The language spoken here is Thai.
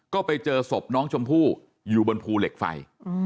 ก็ไปเจอศพน้องชมพู่อยู่บนภูเหล็กไฟ